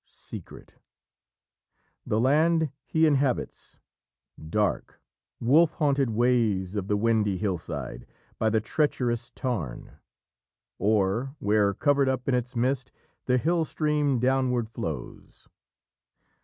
Secret The land he inhabits; dark, wolf haunted ways Of the windy hillside, by the treacherous tarn; Or where, covered up in its mist, the hill stream Downward flows."